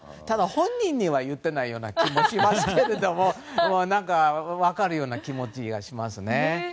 ただ本人には言っていないような気もしますけど分かるような気持ちがしますね。